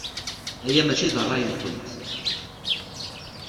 Aya maci d ṛṛay-nwent.